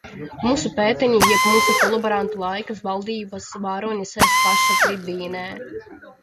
Mūsu petēni, jeb mūsu kolaborantu laika valdības varoņi sēž pašā tribīnē.